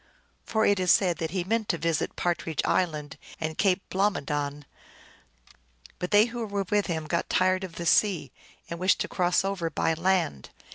For it is said that he meant to visit Partridge Island and Cape Blomidon, but they who were with him had got tired of the sea, and wished to cross over by land.